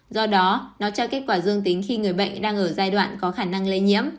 do đó nó cho kết quả dương tính khi người bệnh đang ở giai đoạn có khả năng lây nhiễm